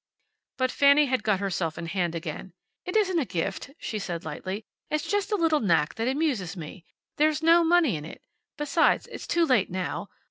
But Fanny had got herself in hand again. "It isn't a gift," she said, lightly. "It's just a little knack that amuses me. There's no money in it. Besides, it's too late now.